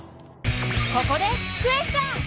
ここでクエスチョン！